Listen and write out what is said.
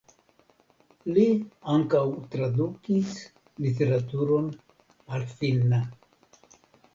Li ankaŭ tradukis literaturon al finna.